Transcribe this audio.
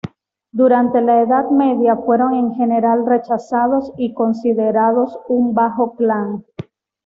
Durante la Edad Media fueron en general rechazados y considerados un Bajo Clan.